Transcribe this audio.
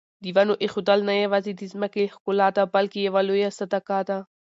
د ونو ایښودل نه یوازې د ځمکې ښکلا ده بلکې یوه لویه صدقه ده.